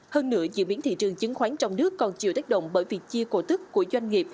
hơn nữa diễn biến thị trường chứng khoán trong nước còn chịu tách động bởi việc chia cổ thức của doanh nghiệp